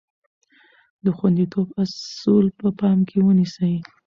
د خوندیتوب اصول په پام کې ونیسئ.